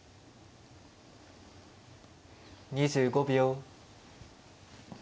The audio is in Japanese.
２５秒。